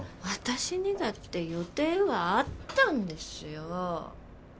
私にだって予定はあったんですよ。